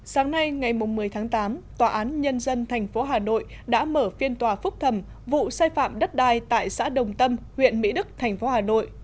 sáng nay ngày một mươi tháng tám tòa án nhân dân tp hà nội đã mở phiên tòa phúc thẩm vụ sai phạm đất đai tại xã đồng tâm huyện mỹ đức thành phố hà nội